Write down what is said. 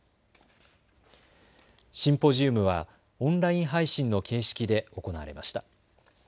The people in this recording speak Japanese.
シンポジウムはオンライン配信の形式で行われました。